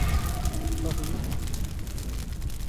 xa huruṭin